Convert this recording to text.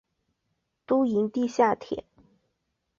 都营地下铁